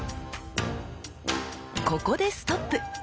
ここでストップ！